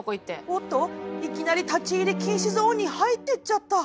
いきなり立ち入り禁止ゾーンに入ってっちゃった。